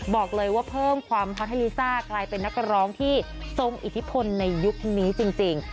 บอกเลยว่าเพิ่มความฮอตให้ลิซ่ากลายเป็นนักร้องที่ทรงอิทธิพลในยุคนี้จริง